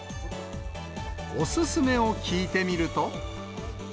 お勧めを聞いてみると。